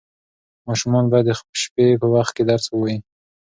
ماشومان باید د شپې په وخت کې درس ووایي.